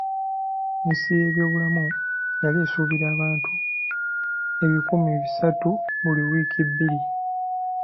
Minisitule y'ebyobulamu yali esuubira abantu ebikumi bisatu buli wiiiki bbiri.